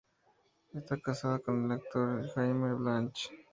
Está casada con el actor Jaime Blanch.